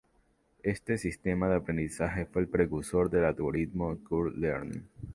Este sistema de aprendizaje fue el precursor del algoritmo Q-learning.